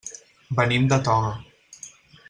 Venim de Toga.